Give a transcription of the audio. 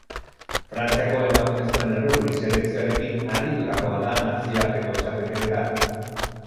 Frantziako emakumezkoen errugbi selekzioarekin aritutakoa da nazioarteko txapelketetan.